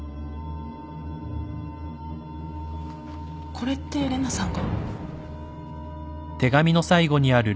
これって玲奈さんが？